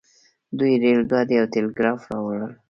دوی ریل ګاډی او ټیلیګراف راوړل.